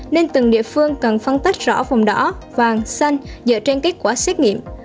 nên từng địa phương cần phân tác rõ vòng đỏ vàng xanh dựa trên kết quả xét nghiệm